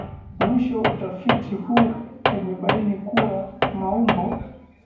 Mwisho utafiti huu umebaini kuwa maumbo